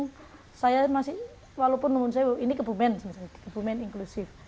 walaupun saya maksudnya ini kebumen kebumen inklusif